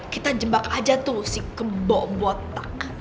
kita jebak aja tuh si kebo botak